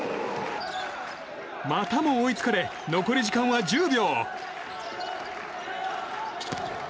またも追いつかれ残り時間は１０秒。